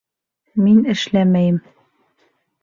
Мин эшләмәйем